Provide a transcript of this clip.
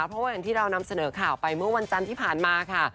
เพราะว่าอย่างที่เรานำเสนอข่าวไปเมื่อวันจันทร์ที่ผ่านมาค่ะ